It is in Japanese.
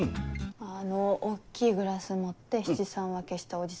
あの大っきいグラス持って七三分けしたおじさんが。